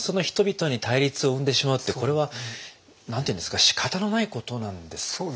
人々に対立を生んでしまうってこれは何て言うんですかしかたのないことなんですか？